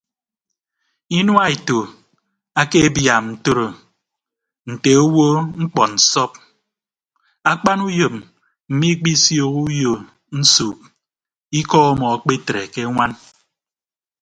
Inua eto akebiaam ntoro nte owo mkpọ nsọp akpanuyom mmikpisiooho uyo nsuuk ikọ ọmọ akpetre ke añwan.